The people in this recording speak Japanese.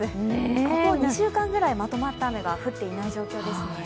ここ２週間ぐらいまとまった雨が降っていない状況ですね。